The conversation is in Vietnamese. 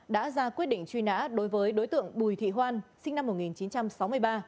đã ra quyết định truy nã đối với đối tượng bùi thị hoan sinh năm một nghìn chín trăm sáu mươi ba